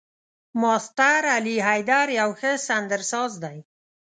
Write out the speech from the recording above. ماسټر علي حيدر يو ښه سندرساز دی.